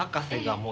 もう。